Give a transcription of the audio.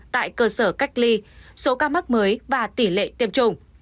tại cơ sở cách ly số ca mắc mới và tỷ lệ tiêm chủng